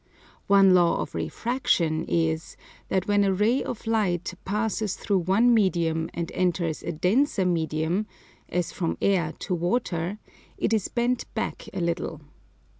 One law of refraction is that, when a ray of light passes through one medium and enters a denser medium (as from air to water), it is bent back a little.